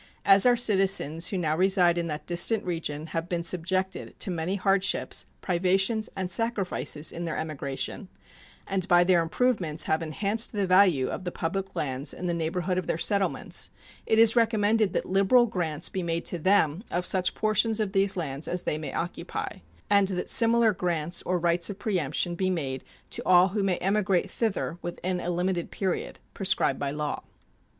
As our citizens who now reside in that distant region have been subjected to many hardships, privations, and sacrifices in their emigration, and by their improvements have enhanced the value of the public lands in the neighborhood of their settlements, it is recommended that liberal grants be made to them of such portions of these lands as they may occupy, and that similar grants or rights of preemption be made to all who may emigrate thither within a limited period, prescribed by law.